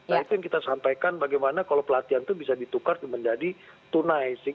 nah itu yang kita sampaikan bagaimana kalau pelatihan itu bisa ditukar menjadi tunai sih